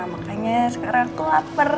makanya sekarang aku lapar